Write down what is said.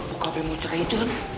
bokapnya mau cerai itu kan